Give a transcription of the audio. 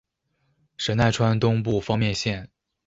神奈川东部方面线。